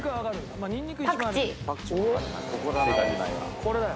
これだよ。